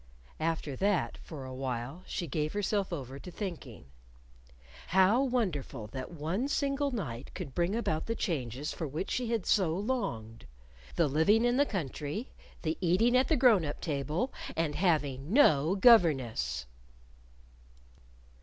After that, for a while, she gave herself over to thinking. How wonderful that one single night could bring about the changes for which she had so longed! the living in the country; the eating at the grown up table, and having no governess.